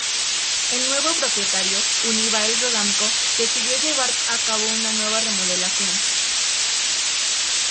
El nuevo propietario, Unibail-Rodamco, decidió llevar a cabo una nueva remodelación.